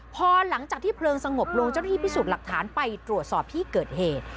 พอหลังจากที่เพลิงสงบลงเจ้าหน้าที่พิสูจน์หลักฐานไปตรวจสอบที่เกิดเหตุ